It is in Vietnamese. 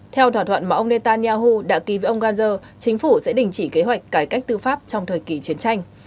theo thỏa thuận mà ông netanyahu đã ký với ông gantz chính phủ sẽ đình chỉ kế hoạch cải cách tư pháp trong thời kỳ chiến tranh